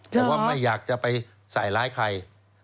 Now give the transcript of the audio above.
แต่ว่าไม่อยากจะไปใส่ร้ายใคร